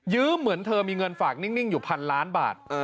ื้อเหมือนเธอมีเงินฝากนิ่งอยู่พันล้านบาท